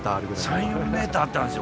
３４ｍあったんですよ。